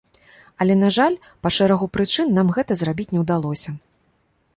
Але, на жаль, па шэрагу прычын нам гэта зрабіць не ўдалося.